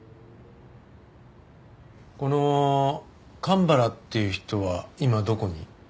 この神原っていう人は今どこに？